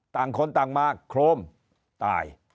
ต่างคนต่างมาโครมตาย